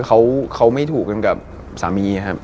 เขาไม่ถูกกันกับสามี